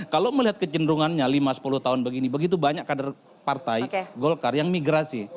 kalau melihat kecenderungannya lima sepuluh tahun begini begitu banyak kader partai golkar yang migrasi